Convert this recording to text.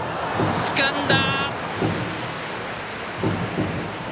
つかんだ！